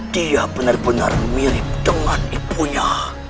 dia benar benar mirip dengan ibunya